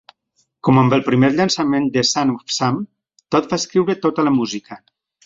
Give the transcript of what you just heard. Com amb el primer llançament de Son Of Sam, Todd va escriure tota la música.